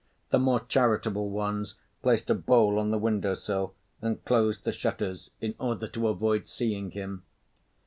The more charitable ones placed a bowl on the window sill and closed the shutters in order to avoid seeing him.